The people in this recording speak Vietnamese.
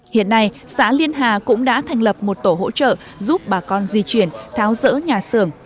hiện nay xã liên hà cũng đã thành lập một tổ hỗ trợ giúp bà con di chuyển tháo rỡ nhà xưởng